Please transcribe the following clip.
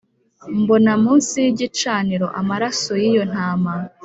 mbona munsi y igicaniro amaraso yiyo ntama